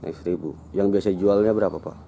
ini seribu yang biasa jualnya berapa pak